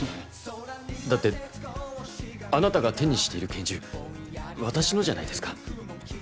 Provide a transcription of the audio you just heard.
だってあなたが手にしている拳銃私のじゃないですか。